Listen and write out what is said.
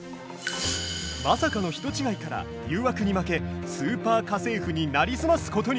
まさかの人違いから誘惑に負け「スーパー家政婦」になりすますことに。